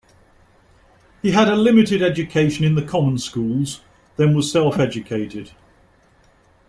He had a limited education in the common schools, then was self-educated.